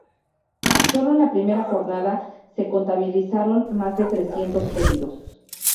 Sólo en la primera jornada se contabilizaron más de trescientos heridos.